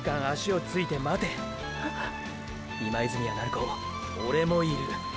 ⁉今泉や鳴子オレもいる。